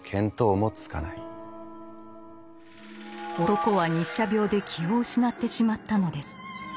男は日射病で気を失ってしまったのです。